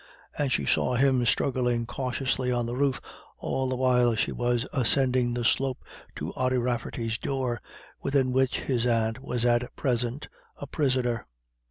And she saw him struggling cautiously on the roof all the while she was ascending the slope to Ody Rafferty's door, within which his aunt was at present a prisoner.